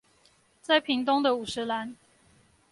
在屏東的五十嵐